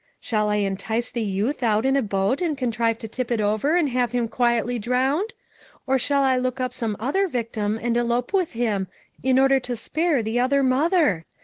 Shall I entice the youth out in a boat and contrive to tip it over and have him quietly drowned? Or shall I look up some other victim and elope with him, in order to spare the other mother?